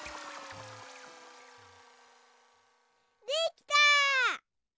できた！